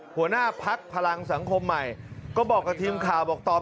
หัวหน้าพักพลังสังคมใหม่ก็บอกกับทีมข่าวบอกตอบ